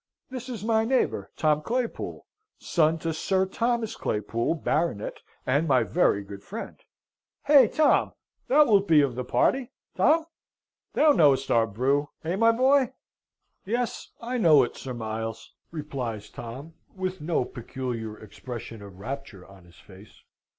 This is my neighbour, Tom Claypool, son to Sir Thomas Claypool, Baronet, and my very good friend. Hey, Tom! Thou wilt be of the party, Tom? Thou knowest our brew, hey, my boy?" "Yes, I know it, Sir Miles," replies Tom, with no peculiar expression of rapture on his face.